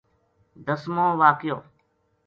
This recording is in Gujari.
دسمو واقعو